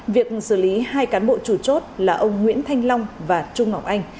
việc xử lý hai cán bộ chủ chốt là ông nguyễn thanh long và trung ngọc anh